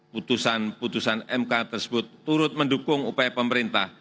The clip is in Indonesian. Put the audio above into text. putusan putusan mk tersebut turut mendukung upaya pemerintah